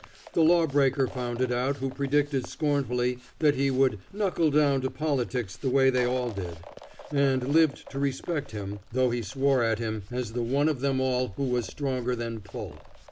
The lawbreaker found it out who predicted scornfully that he would "knuckle down to politics the way they all did," and lived to respect him, though he swore at him, as the one of them all who was stronger than pull.